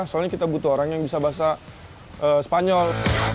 soalnya kita butuh orang yang bisa bahasa spanyol